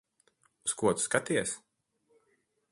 Uz ko tu skaties?